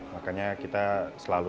makanya kita selalu